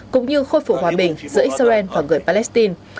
cũng như khôi phủ hòa bình giữa israel và người palestine